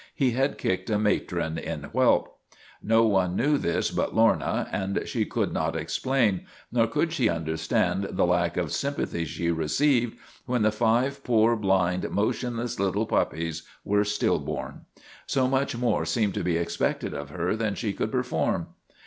He had kicked a matron in whelp. No one knew this but Lorna, and she could not explain, nor could she understand the lack of sympathy she received when the five poor, blind, motionless little puppies were still born. So much more seemed to be expected of her than she could perform.